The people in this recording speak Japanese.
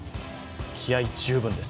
気合い十分です。